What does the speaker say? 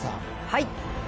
はい。